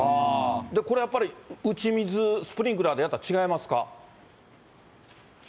これはやっぱり、打ち水、スプリンクラーでやったら違いますか。